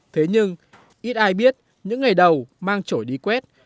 thế nhưng ít ai biết những ngày đầu mang trổi đi quét